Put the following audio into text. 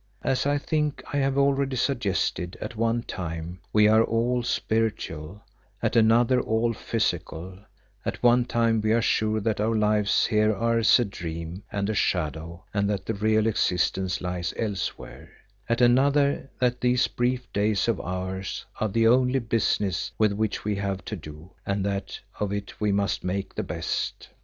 As I think I have already suggested, at one time we are all spiritual; at another all physical; at one time we are sure that our lives here are as a dream and a shadow and that the real existence lies elsewhere; at another that these brief days of ours are the only business with which we have to do and that of it we must make the best.